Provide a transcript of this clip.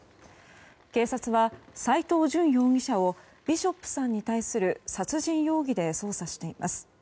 警察は、斎藤淳容疑者をビショップさんに対する殺人容疑で捜査しています。